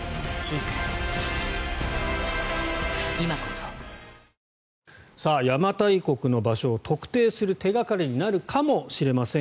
損保ジャパン邪馬台国の場所を特定する手掛かりになるかもしれません。